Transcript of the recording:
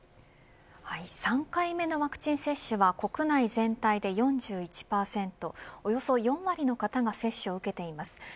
３回目のワクチン接種は国内全体で４１％およそ４割の方が接種を受けています。